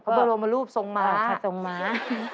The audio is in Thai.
พระบรมรูปทรงม้าค่ะพระบรมรูปทรงม้า